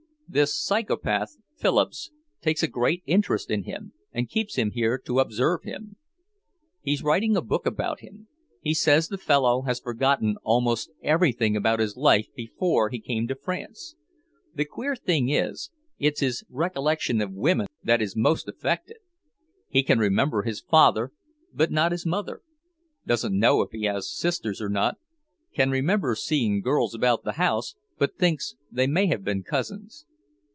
This psychopath, Phillips, takes a great interest in him and keeps him here to observe him. He's writing a book about him. He says the fellow has forgotten almost everything about his life before he came to France. The queer thing is, it's his recollection of women that is most affected. He can remember his father, but not his mother; doesn't know if he has sisters or not, can remember seeing girls about the house, but thinks they may have been cousins.